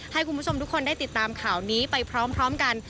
ให้คุณผู้ชมทุกคนได้ติดตามข่าวนี้ไปพร้อมกัน